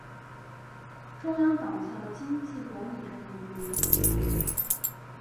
中央党校经济管理专业毕业。